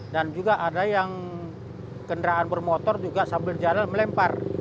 dan juga ada yang kendaraan bermotor juga sambil jalan melempar